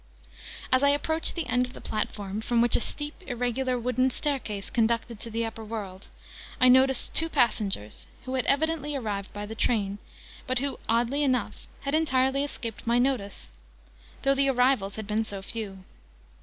As I approached the end of the platform, from which a steep irregular wooden staircase conducted to the upper world, I noticed two passengers, who had evidently arrived by the train, but who, oddly enough, had entirely escaped my notice, though the arrivals had been so few.